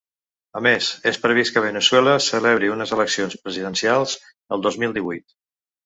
A més, és previst que Veneçuela celebri unes eleccions presidencials el dos mil divuit.